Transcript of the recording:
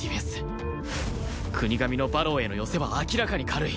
國神の馬狼への寄せは明らかに軽い